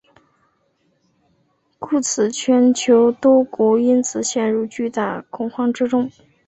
故此全球多国因此陷入巨大恐慌之中。